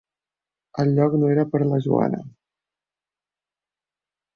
El lloc no era per a la Joana.